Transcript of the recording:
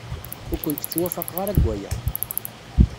Ur kent-ttwafaqeɣ ara deg waya.